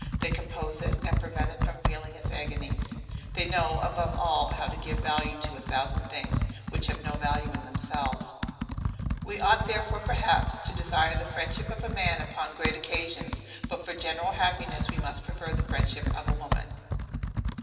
They compose it, and prevent it from feeling its agonies. They know, above all, how to give value to a thousand things, which have no value in themselves. We ought therefore, perhaps, to desire the friendship of a man upon great occasions; but, for general happiness, we must prefer the friendship of a woman.